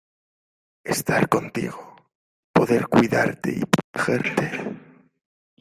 estar contigo, poder cuidarte y protegerte.